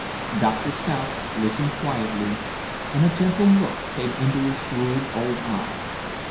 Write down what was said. Doctor South listened quietly, and a gentle look came into his shrewd old eyes.